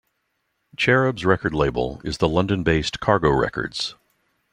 Cherubs' record label is the London-based Cargo Records.